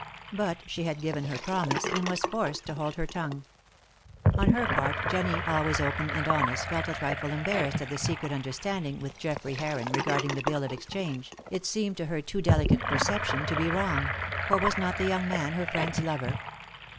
But she had given her promise, and was forced to hold her tongue. On her part Jennie, always open and honest, felt a trifle embarrassed at the secret understanding with Geoffrey Heron regarding the bill of exchange, it seemed to her too delicate perception to be wrong; for was not the young man her friend's lover?